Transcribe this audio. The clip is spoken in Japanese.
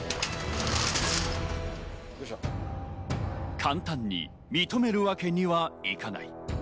簡単に認めるわけにはいかない。